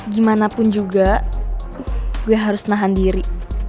gimanapun juga gue harus nahan diri